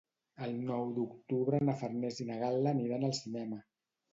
El nou d'octubre na Farners i na Gal·la aniran al cinema.